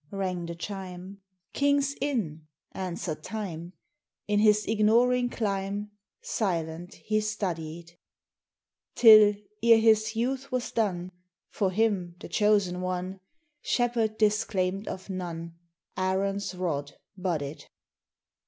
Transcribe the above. rang the chime, Kings in!... answered Time. In his ignoring clime, Silent, he studied; Till, ere his youth was done, For him, the chosen one, Shepherd disclaimed of none, Aaron's rod budded.